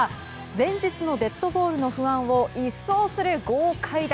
前日のデッドボールの不安を一掃する豪快弾。